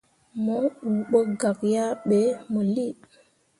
Mo uu ɓo gak yah ɓe mo lii.